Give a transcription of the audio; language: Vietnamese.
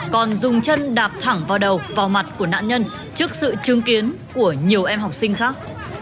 còn dùng chân đạp thẳng vào đầu vào mặt của nạn nhân trước sự chứng kiến của nhiều em học sinh khác